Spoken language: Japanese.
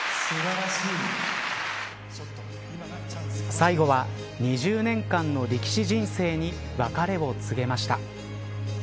最後は２０年間の力士人生に別れを告げました。